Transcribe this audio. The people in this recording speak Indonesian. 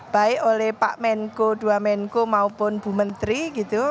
baik oleh pak menko dua menko maupun bu menteri gitu